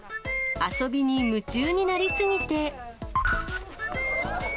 遊びに夢中になり過ぎて。